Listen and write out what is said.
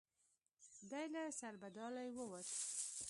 دی له سربدالۍ ووت.